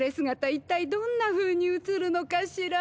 一体どんなふうに映るのかしら。